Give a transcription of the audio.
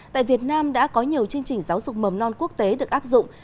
tại việt nam đã có nhiều chương trình giáo dục mầm non quốc tế được áp dụng